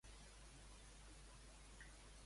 Qui és l'oncle de Math?